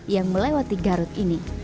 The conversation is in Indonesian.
yang melewati garut ini